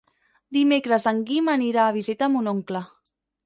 Dimecres en Guim anirà a visitar mon oncle.